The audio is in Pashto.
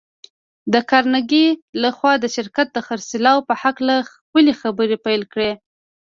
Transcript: د کارنګي لهخوا د شرکت د خرڅلاو په هکله خپلې خبرې پيل کړې.